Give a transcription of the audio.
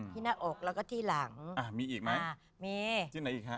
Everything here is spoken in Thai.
ที่หน้าอกแล้วก็ที่หลังมีอีกไหมที่ไหนอีกฮะ